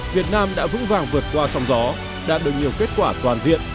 việt nam đã vững vàng vượt qua sóng gió đạt được nhiều kết quả toàn diện